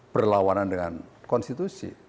berlawanan dengan konstitusi